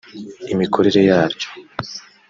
imikorere yaryo